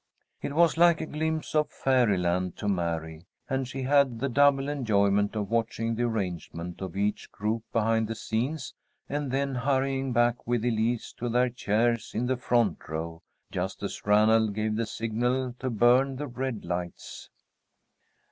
It was like a glimpse of fairy land to Mary, and she had the double enjoyment of watching the arrangement of each group behind the scenes, and then hurrying back with Elise to their chairs in the front row, just as Ranald gave the signal to burn the red lights.